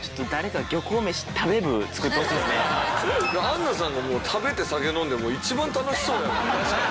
アンナさんが食べて酒飲んで一番楽しそうやもん。